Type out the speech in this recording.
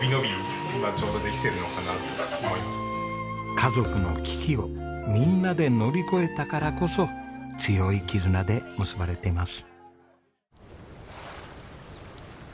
家族の危機をみんなで乗り越えたからこそ強い絆で結ばれています。